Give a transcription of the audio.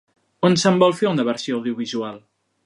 On se'n vol fer una versió audiovisual?